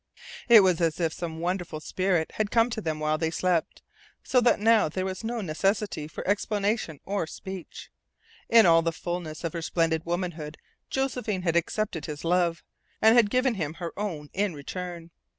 It was as if some wonderful spirit had come to them while they slept, so that now there was no necessity for explanation or speech. In all the fulness of her splendid womanhood Josephine had accepted his love, and had given him her own in return.